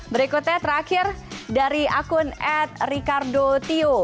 berikutnya terakhir dari akun ad ricardo tio